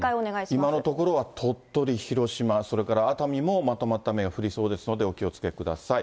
今のところは鳥取、広島、それから熱海もまとまった雨が降りそうですので、お気をつけください。